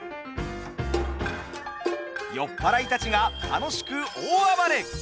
酔っ払いたちが楽しく大暴れ。